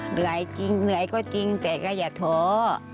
เหนื่อยจริงเหนื่อยก็จริงแต่ก็อย่าท้อ